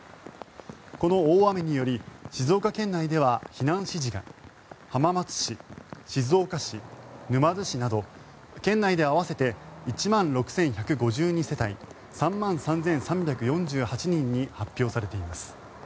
この大雨により静岡県内では避難指示が浜松市、静岡市、沼津市など県内で合わせて１万６１５２世帯３万３３４８人に発表されています。